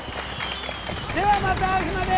ではまた会う日まで。